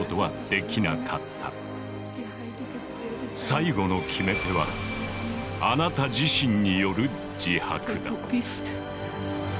最後の決め手はあなた自身による自白だ。